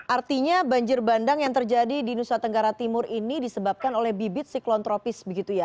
artinya banjir bandang yang terjadi di nusa tenggara timur ini disebabkan oleh bibit siklon tropis begitu ya